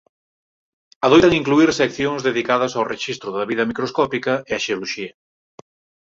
Adoitan incluír seccións dedicadas ao rexistro da vida microscópica e a xeoloxía.